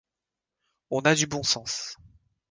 On a du bon sens.